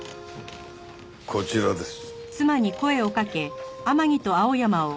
こちらです。